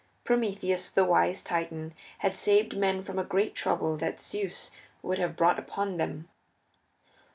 Prometheus, the wise Titan, had saved men from a great trouble that Zeus would have brought upon them.